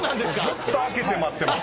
ずっと空けて待ってます。